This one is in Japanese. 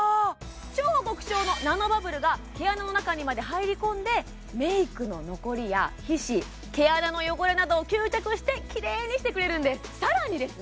超極小のナノバブルが毛穴の中にまで入り込んでメイクの残りや皮脂毛穴の汚れなどを吸着してキレイにしてくれるんですさらにですね